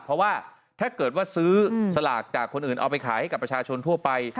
เพราะว่าถ้าเกิดว่าซื้อสลากจากคนอื่นเอาไปขายให้กับประชาชนทั่วไป